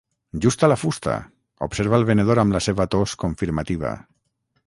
"Justa la fusta", observa el venedor amb la seva tos confirmativa.